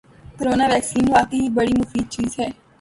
corona vaccine واقعی بڑی مفید چیز ہے